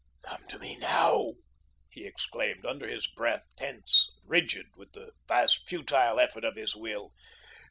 "Come to me now," he exclaimed under his breath, tense and rigid with the vast futile effort of his will.